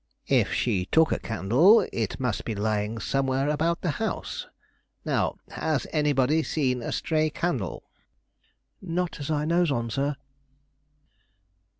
"If she took a candle, it must be lying somewhere about the house. Now, has anybody seen a stray candle?" "Not as I knows on, sir."